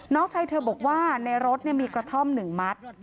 น้องชายเธอบอกว่าในรถมีกระท่อม๑มัด